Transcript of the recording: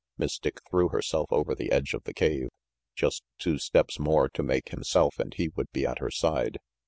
Miss Dick threw herself over the edge of the cave. Just two steps more to make himself and he would be at her side.